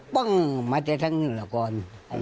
ปึ้งมาจากทั้งนู้นเหรอก่อน